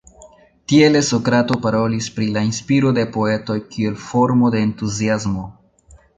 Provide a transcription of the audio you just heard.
Tiele Sokrato parolis pri la inspiro de poetoj kiel formo de Entuziasmo.